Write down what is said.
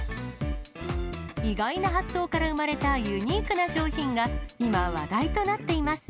意外な発想から生まれたユニークな商品が、今、話題となっています。